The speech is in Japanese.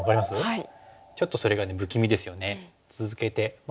はい。